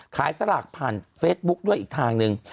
สลากผ่านเฟซบุ๊กด้วยอีกทางหนึ่ง